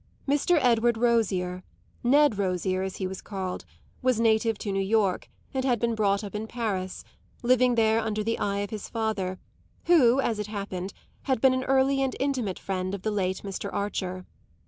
Mr. Edward Rosier Ned Rosier as he was called was native to New York and had been brought up in Paris, living there under the eye of his father who, as it happened, had been an early and intimate friend of the late Mr. Archer.